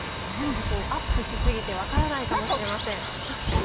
アップにしすぎて分からないかもしれません。